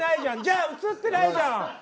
じゃあ映ってないじゃん。